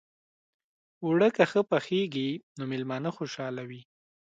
اوړه که ښه پخېږي، نو میلمانه خوشحاله وي